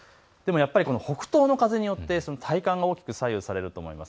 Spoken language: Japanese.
北東の風によって体感が大きく左右されると思います。